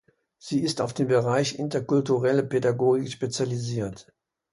Sie ist auf den Bereich Interkulturelle Pädagogik spezialisiert.